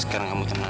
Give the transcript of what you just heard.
sekarang kamu tenang